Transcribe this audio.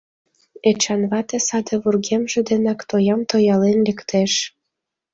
Эчан вате саде вургемже денак тоям тоялен лектеш.